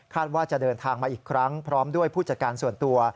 ว่าจะเดินทางมาอีกครั้งพร้อมด้วยผู้จัดการส่วนตัว